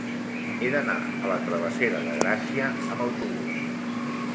He d'anar a la travessera de Gràcia amb autobús.